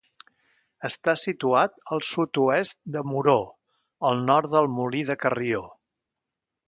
Està situat al sud-oest de Moror, al nord del Molí de Carrió.